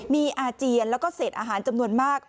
มีอาเจียนแล้วก็เศษอาหารจำนวนมาก